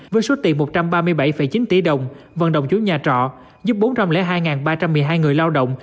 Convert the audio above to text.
với số tiền một trăm ba mươi bảy chín tỷ đồng vận động chủ nhà trọ giúp bốn trăm linh hai ba trăm một mươi hai người lao động